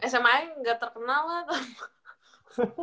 sma gak terkenal lah